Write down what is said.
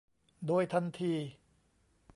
โดยทันที